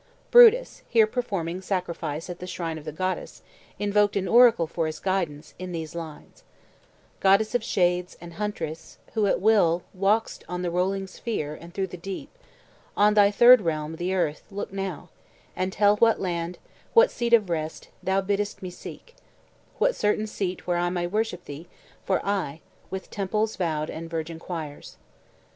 Brutus, here performing sacrifice at the shrine of the goddess, invoked an oracle for his guidance, in these lines: "Goddess of shades, and huntress, who at will Walk'st on the rolling sphere, and through the deep; On thy third realm, the earth, look now, and tell What land, what seat of rest, thou bidd'st me seek; What certain seat where I may worship thee For aye, with temples vowed and virgin choirs."